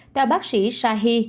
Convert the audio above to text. theo bác sĩ shahi